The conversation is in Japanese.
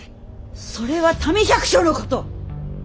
それは民百姓のこと！